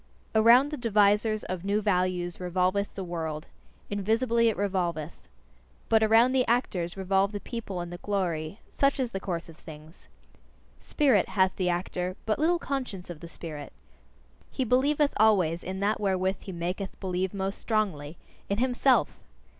Around the devisers of new values revolveth the world: invisibly it revolveth. But around the actors revolve the people and the glory: such is the course of things. Spirit, hath the actor, but little conscience of the spirit. He believeth always in that wherewith he maketh believe most strongly in HIMSELF!